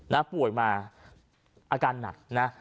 ป่วยมาอาการหนักนะ